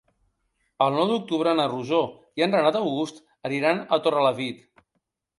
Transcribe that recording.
El nou d'octubre na Rosó i en Renat August aniran a Torrelavit.